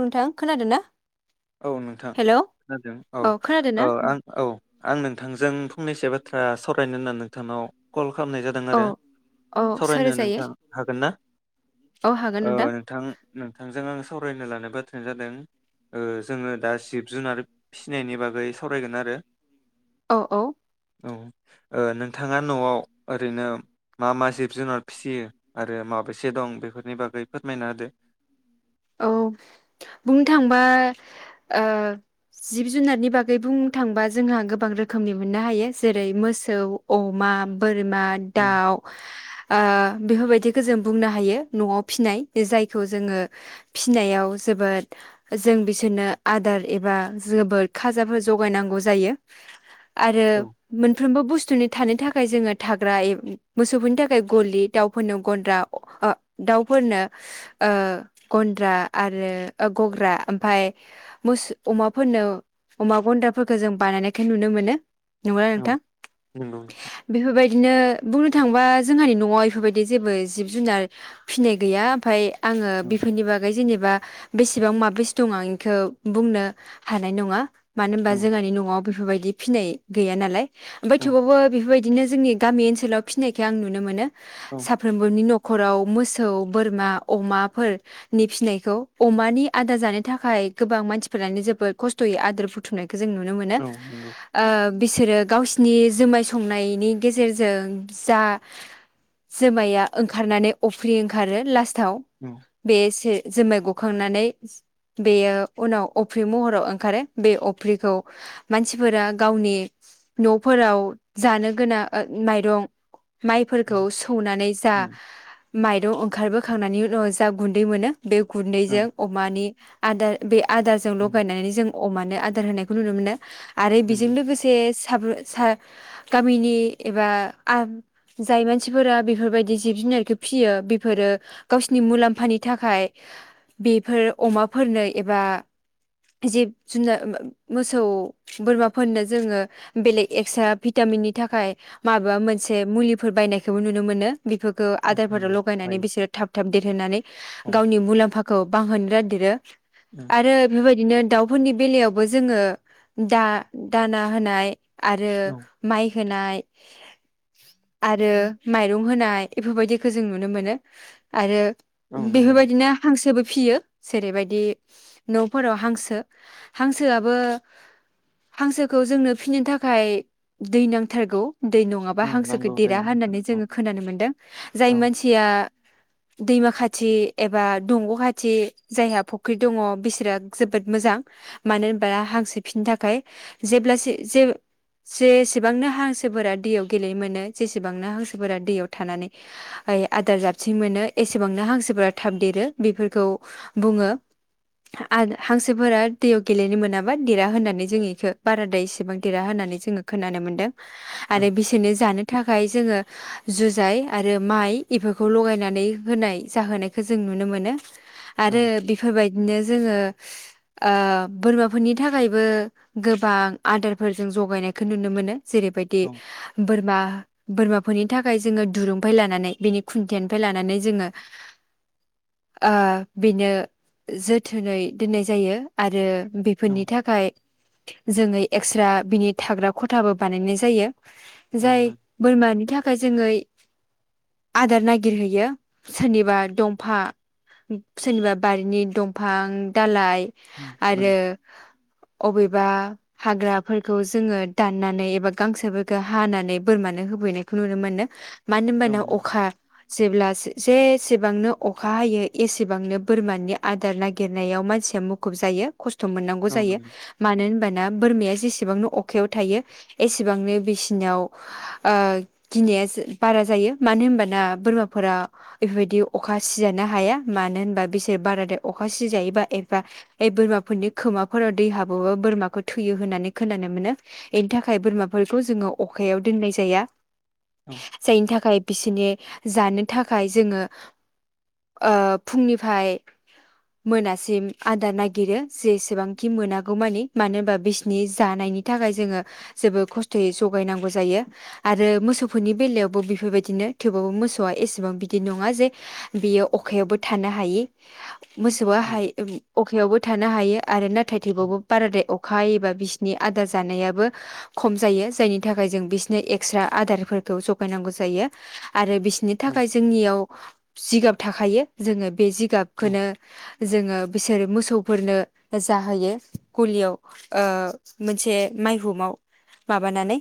नोंथां खोनादों ना? औ नोंथां हेलौ खोनादों औ खोनादों ना ओ आं औ। आं नोंथांजों फंनैसो बाथ्रा सावरायनो होन्नानै नोंथांनाव कल खालामनाय जादों औ आरो औ सावरायनो सावरायजायो नोंथां हागोन ना औ हागोन ओ नोंथां नोंथांजों आं सावरायनो लानाय बाथ्राया जादों ओ-जोङो दा जिब जुनार फिसिनायनि बागै सावरायगोन आरो। औ औ औ ओ- नोंथाङा न'आव ओरैनो मा मा जिब जुनार फिसियो आरो माबेसे दं बेफोरनि बागै फोरमायना होदो। औ बुंनो थांबा ओ-जिब जुनारनि बागै बुंनो थांबा जोंहा गोबां रोखोमनि मोननो हायो जेरै मोसौ अमा बोर मा दाउ आ बेफोरबायदि खो जों बुंनो हायो न'आव फिनाय जायखौ जोङो फिनायाव जोबोद जों बिसोरनो आदार एबा जोबोद खाजाफोर जगायनांगौ जायो। आरो औ मोनफ्रोमबो बुस्थ थुनि थानो थाखाय जोङो थाग्रा ए मोसौफोरनि थाखाय गलि दाउफोरनो गन्द्रा आ दाउफोरनो ओ- गन्द्रा आरो ओ-गग्रा ओमफाय मोस अमाफोरनो अमा गन्द्राफोरखौ जों बानायनायखाय नुनो मोनो। नोंगौना औ नोंथां नंगौ नोंथां बेफोरबाय दिनो बुंनो थांबा जोंहानि न'आव इफोरबायदि जेबो जिब जुनार फिनाय गैया ओमफाय आङो औ बि बागै जेनेबा बेसेबां माबेसे दं आं बेखौ बुंनो हानाय नङा मानो होनबा औ जोंहानि न'आव बेफोरबायदि फिनाय गैया नालाय। ओमफाय औ थेवबावबो बेफोरबाय बिदिनो जोंनि गामि ओनसोलाव फिनायखो आं नुनो मोनो। औ साफ्रोमबोनि न' ख'राव मोसौ बोरमा अमाफोर। नि फिनायखौ अमानि आदार जानो थाखाय गोबां मानसिफोरानो जोबोद खस्थ'यै आदार बुथुमनाय खो जों नुनो मोनो औ नंगौ ओ बिसोरो गावसि नि जुमाय संनायनि गेजेरजों जा जोमाया ओंखारनानै अफ्रि ओंखारो लास्ट थाउ बे से जोमाइ गखांनानै बेयो उनाव अफ्रि महराव ओंखारो बे अफ्रिखौ मानसिफोरा गावनि न'फोराव जानो गोना ओ माइरं माइफोरखौ सौनानै जा माइरं ओंखारबो खांनानै [unintelligible] जा गुन्दै मोनो। बे औ गुन्दैजों अमानि आदार बे आदारजों औ लगायनानै जों अमानो आदार होनायखौ नुनो मोनो। आरो बेजों नंगौ लोगोसे हाब्रु सा गामिनि एबा आम जाय मानसिफोरा बेफोरबायदि जिब जुनारखौ फिसियो बेफोरो गावसिनि मुलामफ म्फानि थाखाय बेफोर अमाफोरनो एबा जिब जुनार मोसौ बोरमाफोरनो जोङो बेलेग एक्सट्रा भिटामिननि थाखाय माबा मोनसे मुलिफोर बायनायखौबो नुनो मोनो। बेफोरखौ औ आदारफोराव नंगौ लगायनानै हायो बिसोरो थाब-थाब देरहोननानै औ गावनि मुलाम्फाखौ बांहोनो [unintelligible] औ [unintelligible] आरो बेबाय बिदिनो दाउफोरनि बेलायावबो जोङो दा दाना होनाय। आरो औ माइ होनाय आरो माइरं होनाय बेफोरबायदिखौ जों नुनो मोनो आरो औ नंगौ बेफोरबायदिनो हांसोबो फियो जेरैबायदि न'फोराव हांसो हांसोआबो हांसोखौ जोंनो फिनो थाखाय दै नांथारगौ। दै नङाबा औ हांसोखौ नांगौ देरा जायो नोंथां होननानै औ जोङो खोनानो मोनदों जाय औ मानसिया दैमा खाथ थि एबा दंग' खाथि जायहा फुख्रि दङ बिसोरा जोबोद मोजां मानो होनबा हांसो फिसनो थाखाय जेब्लासि जे जेसेबांनो हांसोफोरा दैयाव गेलेनो मोनो जेसेबांनो हांसोफोरा दैयाव थानानै आदार जाबसिन मोनो एसेबांनो हांसो हांसोफोरा थाब देरो बेफोरखौ बुङो आरो हांसोफोरा दैयाव गेलेनो मोनाबा देरा होननानै जों इखो बारा एसेबां देरा होननानै जोङो खोनानो मोनदों। औ आरो बिसोरनो जानो थाख थाखाय जोङो जुजाइ आरो माइ इफोरखौ लगायनानै होनाय जाहोनायखौ जों नुनो मोनो। औ आरो बेफोरबायदिनो जोङो ओ बोरमाफोरनि थाखायबो गोबां आदारफोरजों जगायनायखौ नुनो मोनो जेरैबायदि औ बोरमा बोरमाफोरनि थाखाय जोङो दुरुंफ्राय लानानै बेनि खुन्थिनिफ्राय लानानै जोङो ओ‌ बेनो जोथोनै दोननाय जायो आरो औ बेफोरनि थाखाय जोङै एक्स्रा बिनि थाग्रा खथाबो बानायनाय जायो औ जाय नंगौ बोरमानि थाखाय जोङो आदार नागिर हैयो सोरनिबा दंफा सोरनिबा बारिनि दंफां दालाइ नंगौ आरो अबेबा हाग्राफोरखौ जोङो दाननानै एबा गांसोफोरखौ हानानै बोरमानो होफैनायखौ नुनो मोनो मानो औ होनबाना नंगौ अखा जेब्ला जेसेबांनो अखा हायो एसेबांनो बोरमानि आदार नागिरनायाव मानसिया मुखुब जायो। खस्थ' मोननांगौ औ जायो नंगौ मानो होनबाना बोरमाया जेसेब एसेबांनो अखायाव थायो एसेबांनो बिसिनाव ओ गिनाया बारा जायो मानो होनबाना बोरमाफोरा बेफोरबायदि अखा सिजानो हाया मानो होनबा बिसोर बारादाय अखा सिजायोबा एफा बे बोरमाफोरनि खोमाफोराव दै हाबोबा बोरमाखौ थैयो होननानै खोनानो मोनो एनथाखाइ थाखाय बोरमाफोरखौ जोङो अखायाव दोननाय जाया। औ जायनि थाखाय बिसिनि जानो थाखाय जोङो ओ फुंनिफ्राय मोनासिम आदार नागिरो जेसेबांखि मोनागौमानि मानोबा बिसिनि जानायनि थाखाय जोङो जोबोर खस्थ'यै जगायनांगौ जायो आरो मोसौफोरनि बेलायावबो बेफोरबायदिनो थेवबाबबो मोसौआसे सेबां बिदि नङा जे बियो अखायावबो थानो हायि मोसौआ औ हायो अखायावबो थानो हायो आरोना थैथैबावबो बारा दे खा एबा बिसिनि आदार जानायाबो खम जायो जायनि थाखाय जों बिसोरनि एक्स्रा आदारफोरखौ जगायनांगौ जायो आरो बिसनि थाखाय जोंनियाव जिगाब थाखायो जोङो बे औ गाबखौनो जोङो बिसोरो मोसौफोरनो जाहोयो गलियाव ओ मोनसे माइहुमाव माबानानै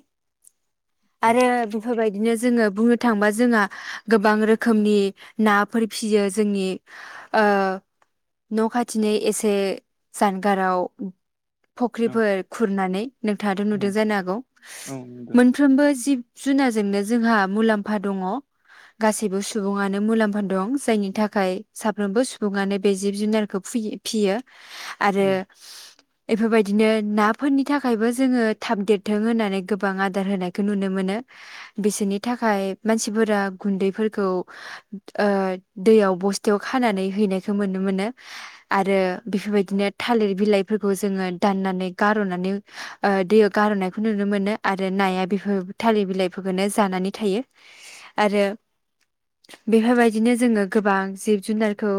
आरो बेफोरबायदिनो जोङो बुंनो थांबा जोंहा गोबां रोखोमनि नाफोर फियो जोंनि ओ न' खाथिनि एसे जानगाराव नंगौ औ फख्रिफोर खुरनानै नोंथाङाथ' नुदों जानो हागौ औ नंगौ मोनफ्रोमबो जिब जुनाजोंनो जोंहा मुलाम्फा दङ गासैबो सुबुङानो मुलाम्फा दं जायनि थाखाय साफ्रोमबो सुबुङानो बे जिब जुनारखौ फुयो फियो आरो बेफोरबायदिनो नाफोरनि थाखायबो जोङो थाब देरथों होननानै गोबां आदार होनायखौ नुनो मोनो बिसोरनि थाखाय मानसिफोरा गुन्दैफोरखौ ओ दैयाव बस्थायाव खानानै हैनायखौ मोन्नो मोनो आरो बेफोरबायदिनो थालिर बिलाइफोरखौ जोङो दाननानै गार'नानै ओ दैयाव गार'नायखौ नुनो मोनो आरो नाया बेफोर थालिर बिलाइफोरखौनो जानानै थायो आरो बेफोरबायदिनो जोङो गोबां जिब जुनारखौ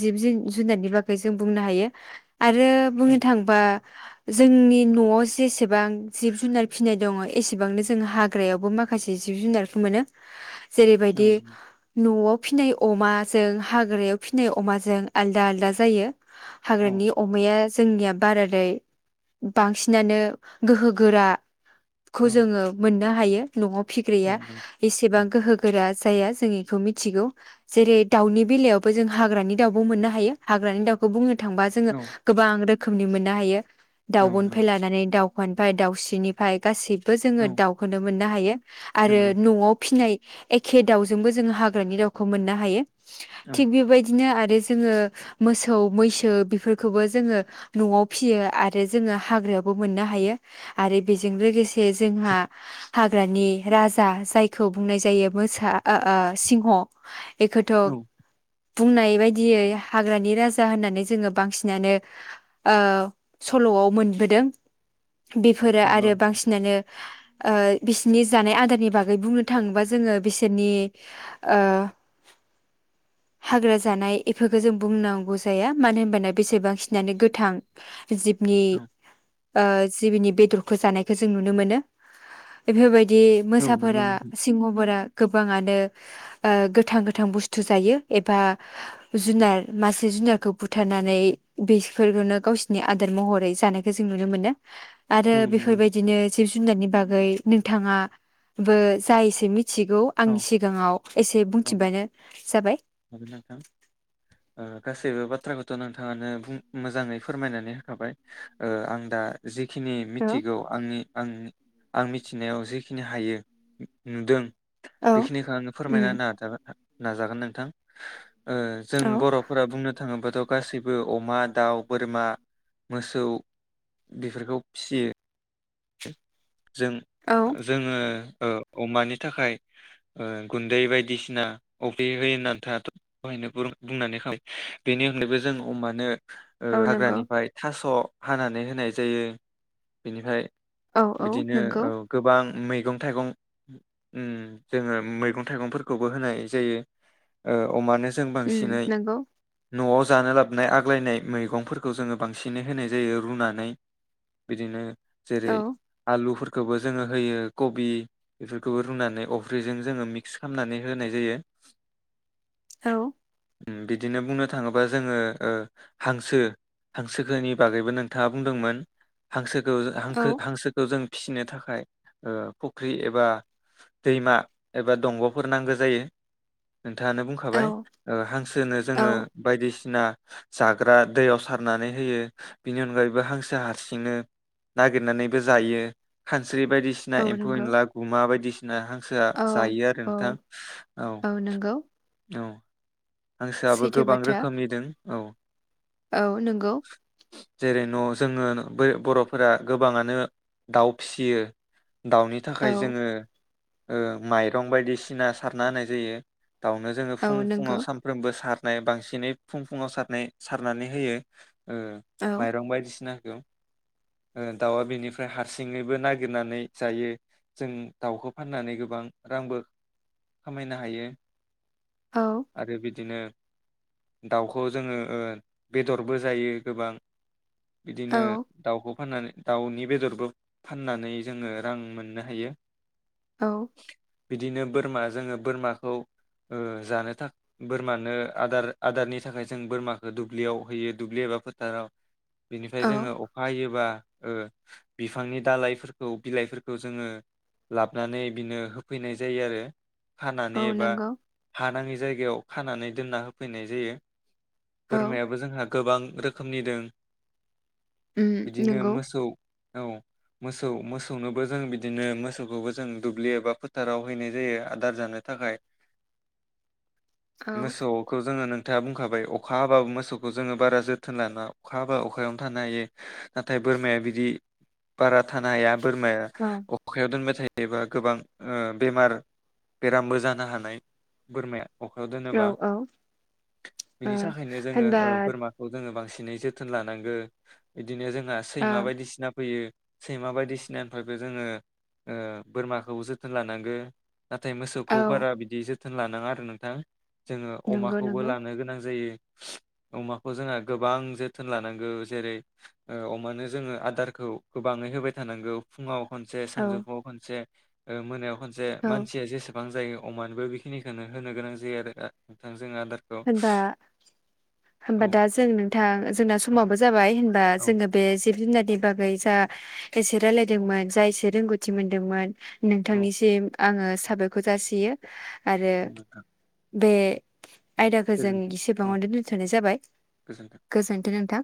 जिबब जुनारनि बागै जों बुंनो हायो आरो बुंनो थांबा जोंनि न'आव जेसेबां जिब जुनार फिनाय दङ एसेबांनो जों हाग्रायावबो माखासे जिब जुनारफोर मोनो जेरैबायदि न'आव फिसिनाय अमा जों हाग्रायाव फिसिनाय अमाजों आलदा आलदा जायो औ हाग्रानि अमाया जोंनिया बारादाय बांसिनानो गोहो गोरा खौ नंगौ जोङो मोननो हायो न'आव फिग्राया औ एसेबां गोहो जाया जों बेखौ मिथिगौ जेरै दाउनि बेलायावबो जों हाग्रानि दाउबो मोननो हायो हाग्रानि दाउखौ बुंनो थांबा जोङो गोबां रोख रोखोमनि मोननो हायो। दाउबनिफ्राय लानानै दाउ दखानिफ्राय दाउस्रिनिफ्राय गासिब जोङो दाउखौनो मोनो। नो हायो। आरो नंगौ औ नंगौ न'आव फिनाय। एखे दाउजोंबो जोङो हाग्रानि दाउखौ मोननो हायो। औ थिग बेबायदिनो आरो। आरो जोङो मोसौ मैसो बेफोरखौबो जोङो न'आव फिसियो आरो जोङो हाग्रायावबो मोननो हायो आरो बेजों लोगोसे जोंहा हाग्रानि राजा जायखौ बुंनाय जाय जायो मोसा आ आ सिंह। एखौथ'। औ बुंनाय बायदियै हाग्रानि राजा होननानै जोङो बांसिनानो ओ सल'आव मोनबोदों। नंगौ औ नंगौ औ बेफोरो नंगौ औ आरो बांसिनानो। ओ बिसिनि जानाय आदारनि बागै बुंनो थाङोबा जों जोङो बिसोरनि ओ हाग्रा जानाय बेफोरखौ जों बुंनांगौ जाया मानो होनबाना बिसोर बांसिनानो गोथां जिबबि। ओ जिबिनि बेदरखौ जानायखौ जों नुनो मोनो बेफोर बाय बिदि मोसाफोरा। गोबाङानो ओ गोथां गोथां बुस्थु जायो एबा जुनार मासे जुनारखौ बुथारनानै बेफोरखौनो गावसोरनि आदार महरै जानायखौ जों नुनो मोनो। आरो बेफोरबायदिनो जिब जुनारनि बागै नोंथाङाबो जाय मिथिगौ आंनि सिगाङाव एसे जे बुंथिबानो जाबाय। नोंथां गासैबो बाथ्राखौथ' नोंथाङानो मोजाङै फोरमायनानै होखाबाय आं दा जि बेखिनि औ मिथिगौ आंनि आं आं मिथिनायाव जेखिनि हायो नुदों। औ बेखिनिखौ आङो फोरमायना उम होनो नाजागोन। नाजागोन नोंथां। जों औ बर'फोरा बुंनो थाङोबाथ' गासैबो अमा, दाउ, बोरमा, मोसौ बेफोरखौ फिसियो। जों औ जोङो अमानि थाखाय गुन्दै बायदिसिना अफ्रि होयो होननानै दहायनो बुंखाबाय बेनि अनगायबो जों अमानो औ नंगौ हाग्रानिफ्राय थास' हानानै होनाय जायो बेनिफ्राय औ औ बिदिनो नंगौ औ गोबां मै गं-थाइगं जोङो मैगं-थाइगंफोरखौबो होनाय जायो औ अमानो जों उम बांसिनै नंगौ न'आव जानो लाबनाय आग्लायनाय मैगंफोरखौ जोङो बांसिनै होनाय जायो रुनानै बिदिनो जेरै औ लुफोरखौबो जोङो होयो कबि बेफोरखौबो रुनानै अफ्रिजों जोङो मिक्स खालामनानै होनाय जायो। औ बिदिनो बुंनो थाङोबा जोङो हांसो हांसोखोनि बागैबो नोंथाङा बुंदोंमोन हांसो खो औ हांखो हांसो जों फिसिनो थाखाय फुख्रि एबा दैमा एबा दंग'फोर नांगौ जायो। नोंथाङानो बुंखाबाय औ हांसोनो औ जोङो बायदिसिना जाग्रा दैयाव सारनानै होयो बिनि अनगायैबो हांसो हारसिंनो नागिरनानै जायो। स्रि बायदिसिना औ एम्फौ नंगौ एनला गुमा बायदिसि नाहां गोसोआ औ जायो आरो औ नोंथां औ औ हांसोआबो सैथो गोबां बाथ्रा रोखोमनि दोंं। औ औ नंगौ जेरै न' जोङो बर'फोरा गोबाङानो दाउ फिसियो दाउनि औ थाखाय जोङो माइरं बायदिसिना सारना होनाय जायो। दाउनो जोङो औ फुं नंगौ फुङाव साम बो सारनाय बांसिनै फुं फुङाव सारनाय सारनानै होयो। ओ औ माइरं बायदिसिना [unintelligible] दाउआ बेनिफ्राय हारसिङैबो नागिरनानै जायो जों दाउखौ फाननानै गोबां रांबो खामायनो हायो। औ आरो बि दिनो दाउखौ जोङो बेदरबो जायो गोबां औ बिदिनो दाउखौ फाननानै दाउनि बेदरबो फाननानै जोङो रां मोननो हायो। औ बिदिनो बोरमा जोङो बोरमाखौ जानो थाखाय बोरमानो आदार आदारनि थाखाय जों बोरमाखौ दुब्लियाव होयो दुब्लि एबा फोथाराव बिनिफ्राय औ जोङो अखा हायोब्ला ओ बिफांनि दालाइफोरखौ बिलाइफोरखौ जोङो लाबनानै बिनो होफैनाय जायो आरो औ खानानै एबा नंगौ हानाङि जायगायाव खानानै दोनना होफैनाय जायो। औ बोरमायाबो जोंहा गोबां रोखोमनि दों उम बिदिनो नंगौ मोसौ औ मोसौ मोसौनोबो जों बिदिनो मोसौखौबो जों दुब्लि एबा फोथाराव हैनाय जायो आदार जानो थाखाय। औ मोसौखौ जोङो खोथा बुंखाबाय अखा हाबा मोसौखौ जोङो बारा जोथोन लानाङा अखा हाबा अखायावनो थानो हायो नाथाय बोरमाया बिदि बारा थानो हाया बोरमाया औ अखायाव दोनबा थाय एबा गोबां ओ बेमार बेरामबो जानो हानाय बोरमाया। अखायाव औ दोनोबा औ ओ बिनि थाखायनो जोङो होनबा ओ-बोरमाखौ जोङो बांसिन नै जोथोन लानांगोन बि बिदिनो जोंहा ओ सैमा बायदिसिना फैयो। सैमा बायदिसिनानिफ्रायबो जोङो ओ बोरमाखौ जोथोन लानांगौ। नाथाय मोसौखौ औ बारा बिदि जोथ थोन लानाङा आरो नों [unintelligible] जोङो नंगौ अमाखौबो नंगौ लानो गोनां जायो। अमाखौ जोंहा गोबां जोथोन लानांगौ जेरै ओ अमानो जोङो आदारखौ गोबाङै होबाय थानांगौ फुङाव खनसे औ सानजौफुआव खनसे ओ मोनायाव खनसे औ मानसिया जेसेबां जायो अमानोबो बेखिनिखौनो होनो गोनां [unintelligible] होनबा होमबा औ दा जों नोंथां जोंना औ समाबो जाबाय बा औ जोङो बे जिब जुनारनि बागै जा एसे रायलायदोंमोन जा एसे रोंगौथि मोनदोंमोन औ नोंथांनिसिम आङो औ साबायखर जासियो आरो नोंथां बे आयदाखौ जों गोजोन्थों औ एसेबाङावनो दोन्थ'नाय जाबाय गोजोन्थों। गोजोनथों नोंथां